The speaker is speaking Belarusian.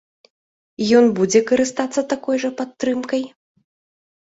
Ён будзе карыстацца такой жа падтрымкай?